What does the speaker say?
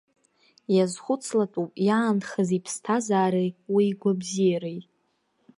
Иазхәыцлатәуп иаанхаз иԥсҭазаареи уи игәабзиареи.